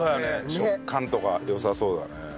食感とか良さそうだね。